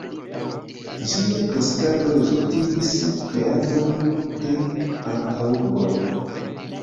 Ĝia kreskado rezultigis kreadon de antaŭurboj.